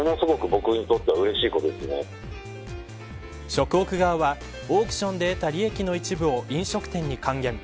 食オク側はオークションで得た利益の一部を飲食店に還元。